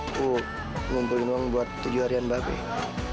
gue ngumpulin uang buat tujuh harian bapak ya